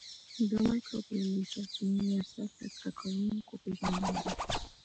د مایکروبیولوژیکي ازموینې ارزښت د ککړونکو پېژندنه ده.